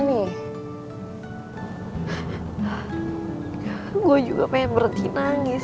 saya juga ingin berhenti menangis